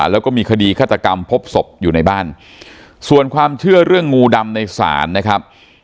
แล้วก็มีคดีฆาตกรรมพบศพอยู่ในบ้านส่วนความเชื่อเรื่องงูดำในศาลนะครับ